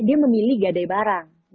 dia memilih gadai barang